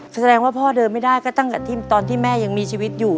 แสดงว่าพ่อเดินไม่ได้ก็ตั้งแต่ตอนที่แม่ยังมีชีวิตอยู่